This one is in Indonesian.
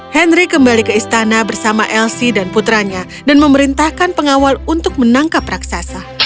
henry kembali ke istana bersama elsie dan putranya dan memerintahkan pengawal untuk menangkap raksasa